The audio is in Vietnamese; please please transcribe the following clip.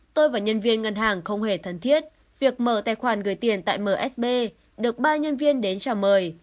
tôi và nhân viên ngân hàng không hề thân thiết việc mở tài khoản gửi tiền tại msb được ba nhân viên đến chào mời